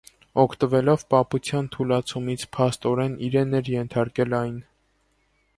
Օգտվելով պապության թուլացումից՝ փաստորեն իրեն էր ենթարկել այն։